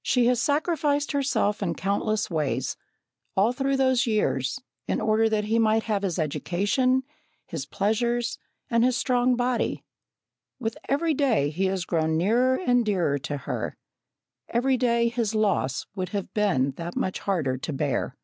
She has sacrificed herself in countless ways, all through those years, in order that he might have his education, his pleasures, and his strong body. With every day he has grown nearer and dearer to her; every day his loss would have been that much harder to bear.